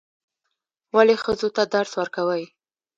ولې ښځو ته درس ورکوئ؟